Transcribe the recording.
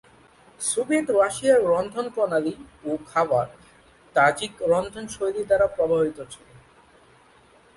Soviet রাশিয়ার রন্ধনপ্রণালী ও খাবার, তাজিক রন্ধনশৈলী দ্বারা প্রভাবিত ছিল।